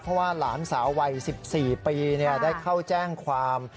เพราะว่าหลานสาววัย๑๔ปีได้เข้าแจ้งความ